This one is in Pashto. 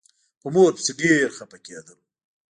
په مور پسې ډېر خپه کېدم.